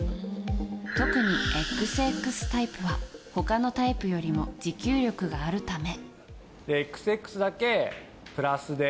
特にＸＸタイプは他のタイプよりも持久力があるため。